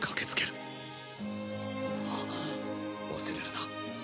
忘れるな。